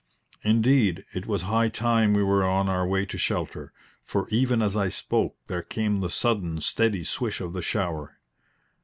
Indeed, it was high time we were on our way to shelter, for even as I spoke there came the sudden, steady swish of the shower.